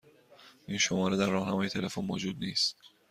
این شماره در راهنمای تلفن موجود نیست.